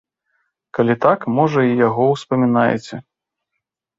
Калі так, можа і яго ўспамінаеце.